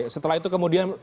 setelah itu kemudian